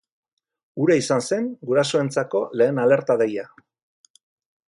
Hura izan zen gurasoentzako lehen alerta deia.